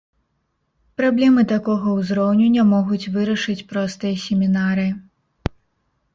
Праблемы такога ўзроўню не могуць вырашыць простыя семінары.